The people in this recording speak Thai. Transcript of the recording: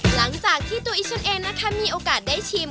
หลังจากที่ตัวอิสนเองนะคะมีโอกาสได้ชิม